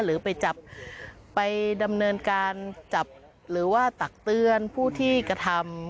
หรือไปจับไปดำเนินการจับหรือว่าตักเตือนผู้ที่กระทำ